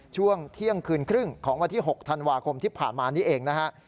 ช่วงเที่ยงคืนครึ่งของวันที่๖ธันวาคมที่ผ่านมานี้เองนะฮะ